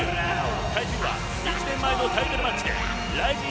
対するは１年前のタイトルマッチでＲＩＺＩＮ